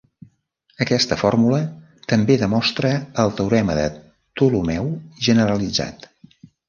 Aquesta fórmula també demostra el teorema de Ptolemeu generalitzat.